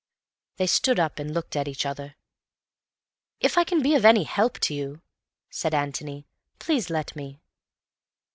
They stood up and looked at each other. "If I can be of any help to you," said Antony, "please let me."